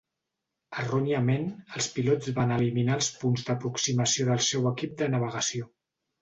Erròniament, els pilots van eliminar els punts d'aproximació del seu equip de navegació.